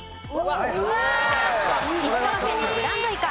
石川県のブランドいか